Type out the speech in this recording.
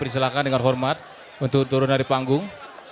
disilakan dengan hormat untuk turun dari panggung